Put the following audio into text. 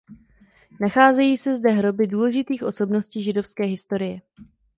Nacházejí se zde hroby důležitých osobností židovské historie.